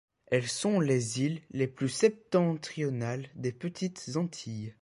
Elles sont les îles les plus septentrionales des Petites Antilles.